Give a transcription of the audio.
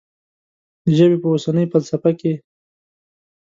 د ژبې په اوسنۍ فلسفه کې.